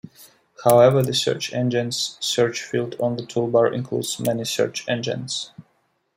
However, the search engines search field on the toolbar includes many search engines.